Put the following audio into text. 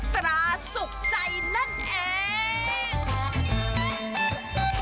ตราสุขใจนั่นเอง